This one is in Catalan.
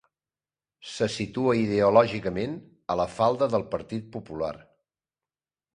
Se situa ideològicament a la falda del Partit Popular.